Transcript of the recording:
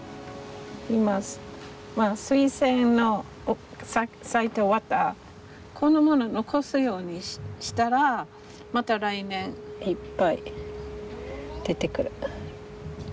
今はスイセンの咲いて終わったこれを残すようにしたらまた来年いっぱい出てくる。